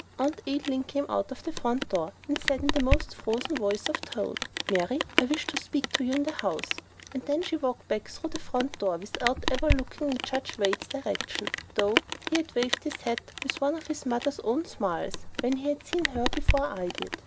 Aunt Adeline came out of the front door, and said in the most frozen tone of voice "Mary, I wish to speak to you in the house," and then walked back through the front door without even looking in Judge Wade's direction, though he had waved his hat with one of his mother's own smiles when he had seen her before I did.